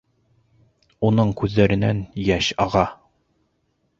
Уның күҙҙәренән йәш аға.